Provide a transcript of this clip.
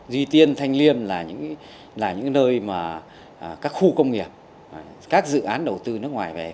duy tiên thanh liêm là những nơi mà các khu công nghiệp các dự án đầu tư nước ngoài về